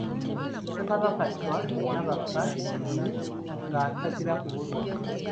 Ssekabaka Chwa Nabakka ye nga tatera kubbulwa!